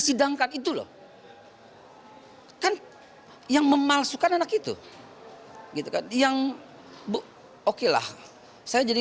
sidangkan itu loh kan yang memalsukan anak itu gitu kan yang bu oke lah saya jadi